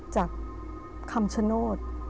จากคำชโนธ